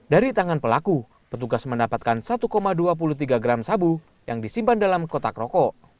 dari tangan pelaku petugas mendapatkan satu dua puluh tiga gram sabu yang disimpan dalam kotak rokok